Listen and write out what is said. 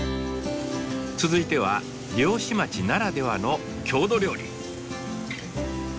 続いては漁師町ならではの郷土料理。